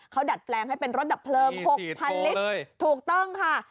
เขาดัดแปลงให้เป็นรถดับเพลิง๖๐๐ลิตรถูกต้องค่ะ